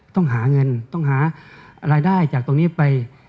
ต้องหาเงินต้องหารายได้จากตรงนี้ไป